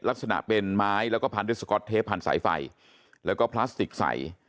ลักษณะเป็นไม้แล้วก็พันด้วยสก๊อตเทปพันสายไฟแล้วก็พลาสติกใส